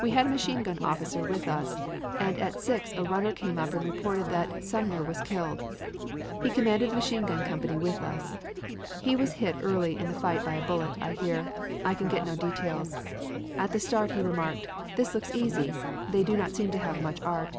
We had a machine gun officer with us and at six a runner came up and reported that Sumner was killed. He commanded the machine gun company with us. He was hit early in the fight by a bullet, I hear; I can get no details. At the start he remarked: "This looks easy they do not seem to have much art."